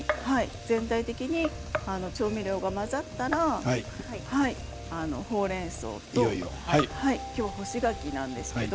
全体的に調味料が混ざったらほうれんそうと今日は干し柿なんですけれど。